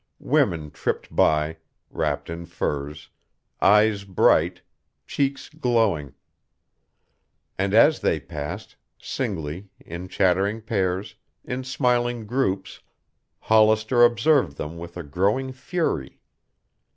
Women tripped by, wrapped in furs, eyes bright, cheeks glowing. And as they passed, singly, in chattering pairs, in smiling groups, Hollister observed them with a growing fury.